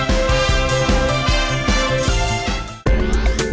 โปรดติดตามตอนต่อไป